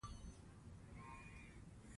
هغه په ډېر تروه تندي ترې يوه پوښتنه وکړه.